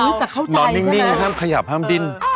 อุ๊ยแต่เข้าใจใช่ไหมนอนนิ่งห้ามขยับห้ามดิ้น